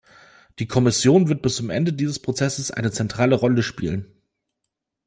Die Kommission wird bis zum Ende dieses Prozesses eine zentrale Rolle spielen.